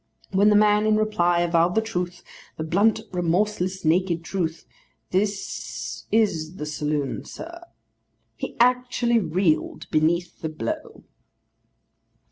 When the man in reply avowed the truth; the blunt, remorseless, naked truth; 'This is the saloon, sir'—he actually reeled beneath the blow.